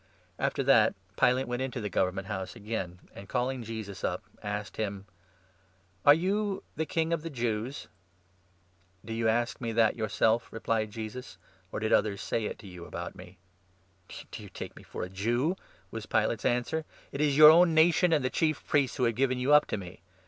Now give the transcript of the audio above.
After that, Pilate went into the Government House again, 33 and calling Jesus up, asked him :" Are you the King of the Jews ?" "Do you ask me that yourself?" replied Jesus, "or did 34 others say it to you about me ?"" Do you take me for a Jew ?" was Pilate's answer. " It is 35 your own nation and the Chief Priests who have given you up to me.